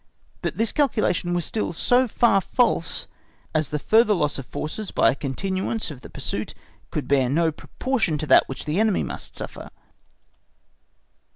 But this calculation was still so far false, as the further loss of forces by a continuance of the pursuit could bear no proportion to that which the enemy must suffer.